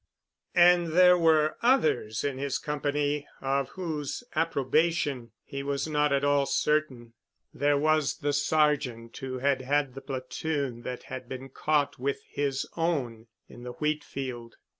And there were others in his company of whose approbation he was not at all certain. There was the sergeant, who had had the platoon that had been caught with his own in the wheat field.